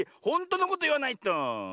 ほんとのこといわないと。